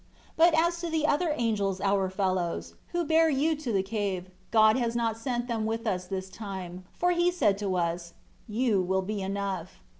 10 But as to the other angels our fellows, who bare you to the cave, God has not sent them with us this time; for He said to us, 'You will be enough'."